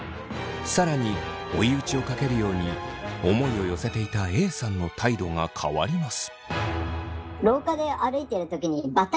更に追い打ちをかけるように思いを寄せていたＡさんの態度が変わります。